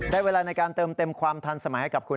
เวลาในการเติมเต็มความทันสมัยให้กับคุณ